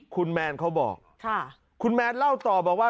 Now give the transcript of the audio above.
คุณแมนเขาบอกคุณแมนเล่าต่อบอกว่า